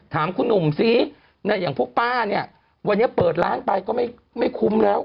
ถามคุณหนุ่มซิอย่างพวกป้าเนี่ยวันนี้เปิดร้านไปก็ไม่คุ้มแล้ว